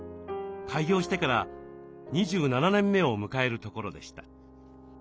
開業してから２７年目を迎えるところでした。